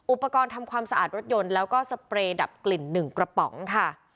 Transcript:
อุปกรณ์ทำความสะอาดรถยนต์แล้วก็สเปรย์ดับกลิ่น๑กระป๋องค่ะ